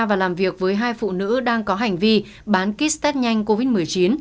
và làm việc với hai phụ nữ đang có hành vi bán kit test nhanh covid một mươi chín